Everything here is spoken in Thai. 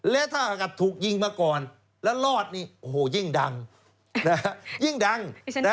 แล้วถ้าถูกยิงมาก่อนแล้วรอดนี่โอ้โหยิ่งดัง